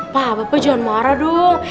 pak bapak jangan marah dong